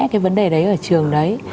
cái vấn đề đấy ở trường đấy